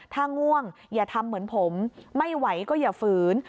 ถ้าง่วงอย่าทำเหมือนผมไม่ไหวก็อย่าฝืน